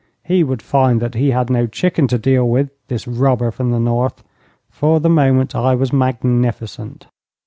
He would find that he had no chicken to deal with, this robber from the North. For the moment I was magnificent.